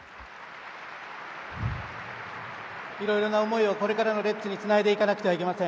いろいろな思いをこれからのレッズにつないでいかないといけません。